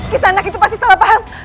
kis anak itu pasti salah paham